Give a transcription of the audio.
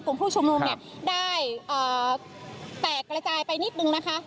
กลุ่มผู้ชุมนุมเนี่ยได้แตกระจายไปนิดนึงนะคะ